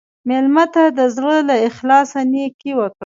مېلمه ته د زړه له اخلاصه نیکي وکړه.